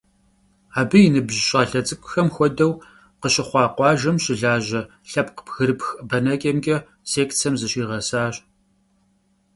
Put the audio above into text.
Абы и ныбжь щӏалэ цӏыкӏухэм хуэдэу, къыщыхъуа къуажэм щылажьэ лъэпкъ бгырыпх бэнэкӏэмкӏэ секцэм зыщигъэсащ.